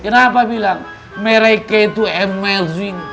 kenapa bilang mereka itu emmazing